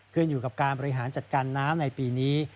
ขึ้นอยู่กับการบริหารจัดการน้ำในปีนี้